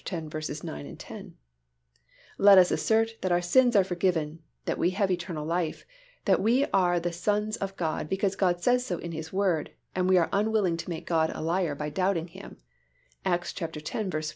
9, 10); let us assert that our sins are forgiven, that we have eternal life, that we are sons of God because God says so in His Word and we are unwilling to make God a liar by doubting Him (Acts x.